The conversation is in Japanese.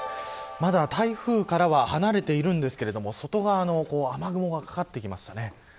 まだ台風からは離れていますが外側の雨雲がかかってきましたね。